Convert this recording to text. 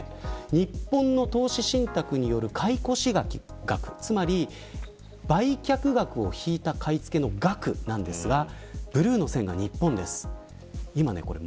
日本の投資信託による買越額売却額を引いた買い付けの額ですがブルーの線が日本です。